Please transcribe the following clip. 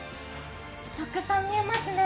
たくさん見えますね。